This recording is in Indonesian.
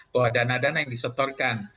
bahwa dana dana yang disetorkan